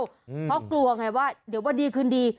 เพราะกลัวไงว่าเดี๋ยววันดีคืนดี